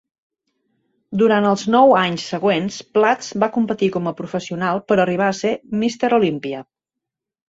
Durant els nou anys següents Platz va competir com a professional per arribar a ser Mr. Olympia.